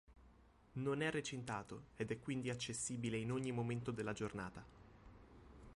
Non è recintato ed è quindi accessibile in ogni momento della giornata.